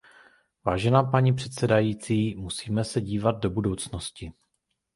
Vážená paní předsedající, musíme se dívat do budoucnosti.